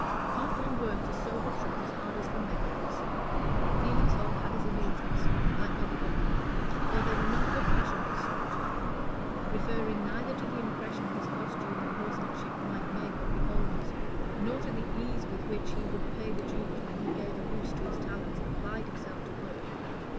Can't one work for sober truth as hard as for megrims?" Felix Holt had his illusions, like other young men, though they were not of a fashionable sort; referring neither to the impression his costume and horsemanship might make on beholders, nor to the ease with which he would pay the Jews when he gave a loose to his talents and applied himself to work.